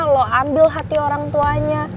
loh ambil hati orang tuanya